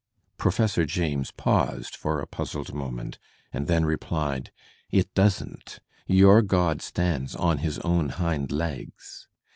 Professor James paused for a puzzled moment and then replied, "It doesn't. Yoiu* Grod stands on his own hind legs."